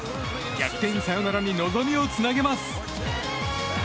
逆転サヨナラに望みをつなげます。